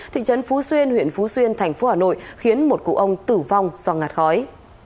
thị trấn phú xuyên huyện phú xuyên thành phố hà nội khiến một cụ ông tử vong do ngạt khói